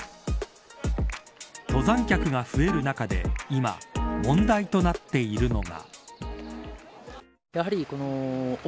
登山客が増える中で今、問題となっているのが。